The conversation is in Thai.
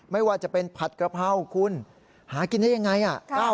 ไม่ว่าจะเป็นผัดกระเพราคุณหากินได้ยังไง